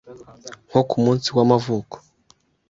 nko ku munsi w’amavuko